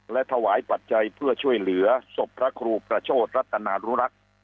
และถวายปัจจัยเพื่อช่วยเหลือศพพระครูประโชธรัตนารุรักษ์